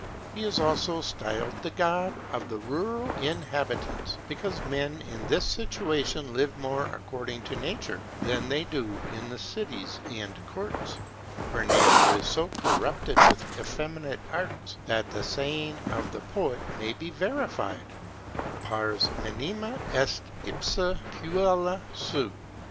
He is also styled the god of the rural inhabitants, because men in this situation live more according to nature than they do in cities and courts, where nature is so corrupted with effeminate arts, that the saying of the poet may be verified:— —pars minima est ipsa puella sui.